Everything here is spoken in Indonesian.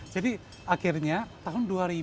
jadi akhirnya tahun dua ribu satu